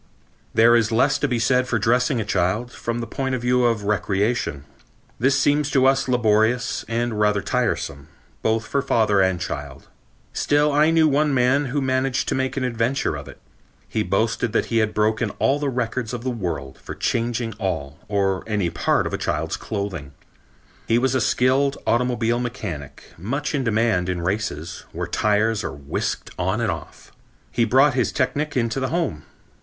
There is less to be said for dressing a child, from the point of view of recreation. This seems to us laborious and rather tiresome, both for father and child. Still I knew one man who managed to make an adventure of it. He boasted that he had broken all the records of the world for changing all or any part of a child's clothing. He was a skilled automobile mechanic, much in demand in races, where tires are whisked on and off. He brought his technic into the home.